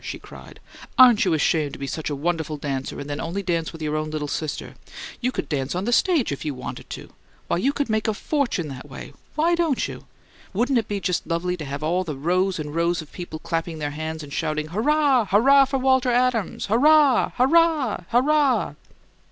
she cried. "AREN'T you ashamed to be such a wonderful dancer and then only dance with your own little sister! You could dance on the stage if you wanted to. Why, you could made your FORTUNE that way! Why don't you? Wouldn't it be just lovely to have all the rows and rows of people clapping their hands and shouting, 'Hurrah! Hurrah, for Walter Adams! Hurrah! Hurrah! Hurrah!"